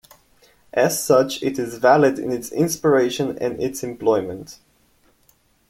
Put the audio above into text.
As such, it is valid in its inspiration and in its employment.